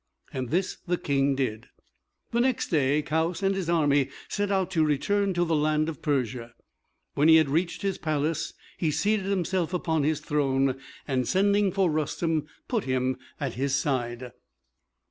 And this the King did. The next day Kaoüs and his army set out to return to the land of Persia. When he had reached his palace, he seated himself upon his throne, and sending for Rustem, put him at his side.